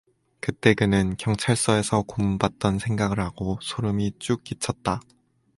그때 그는 경찰서에서 고문받던 생각을 하고 소름이 쭉 끼쳤다.